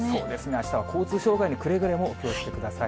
あしたは交通障害にくれぐれもお気をつけください。